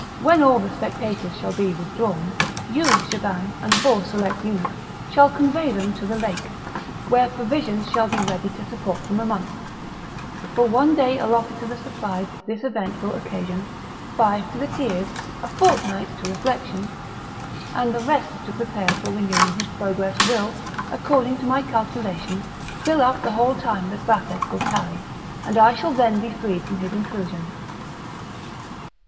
When all the spectators shall be withdrawn, you, Shaban, and four select eunuchs, shall convey them to the lake, where provisions shall be ready to support them a month; for one day allotted to the surprise this event will occasion, five to the tears, a fortnight to reflection, and the rest to prepare for renewing his progress, will, according to my calculation, fill up the whole time that Vathek will tarry, and I shall then be freed from his intrusion."